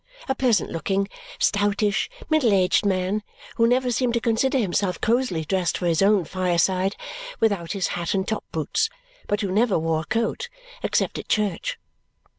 A pleasant looking, stoutish, middle aged man who never seemed to consider himself cozily dressed for his own fire side without his hat and top boots, but who never wore a coat except at church.